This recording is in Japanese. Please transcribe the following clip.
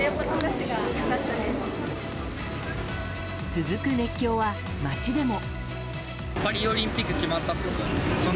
続く熱狂は街でも。